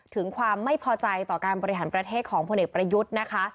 ถึงความไม่พอใจต่อการบริหารประเทศของพลเอกประยุทธ์นะคะ